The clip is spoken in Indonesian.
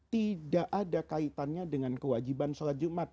tidak ada kaitannya dengan kewajiban sholat jumat